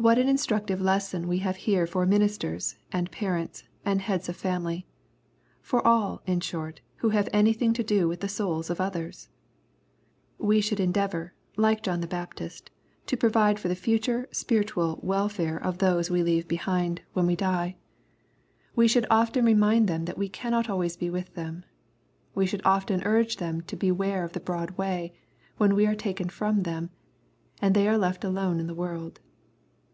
What an instructive lesson we have here for ministers, and parents, and heads of families, — for all, in short, who have anything to do with the souls of others ! We fihould endeavor, like John the Baptist, to provide for the future spiritual welfare of those we leave behind, 216 EXPOSITORY THOUGHTS. when we die. We should often remind them that we cannot always be with them. We should often urge them to beware of the broad way, when we are taken from them, and they are left alone in the world.